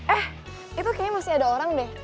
eh itu kayaknya masih ada orang deh